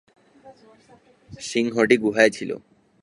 সময় হয়েছে হৃদয় খুলে কাজটাতে মনোনিবেশ করার।